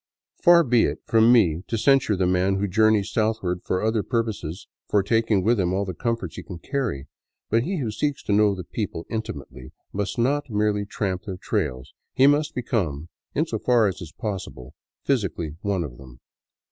Far be it from me to censure the man who journeys southward for other purposes for taking with him all the comforts he can carry ; but he who seeks to know the people intimately must not merely tramp their trails; he must become, in so far as is possible, physically one of them.